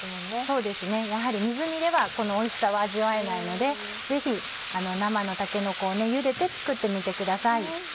そうですねやはり水煮ではこのおいしさは味わえないのでぜひ生のたけのこをゆでて作ってみてください。